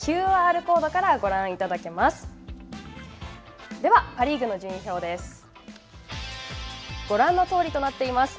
ＱＲコードからご覧いただけます。